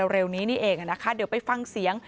เร็วนี้นี่เองนะคะเดี๋ยวไปฟังเสียง